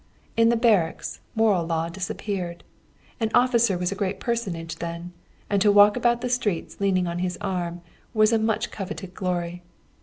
In the barracks, moral law disappeared. An officer was a great personage then, and to walk about the streets leaning on his arm was a much coveted glory.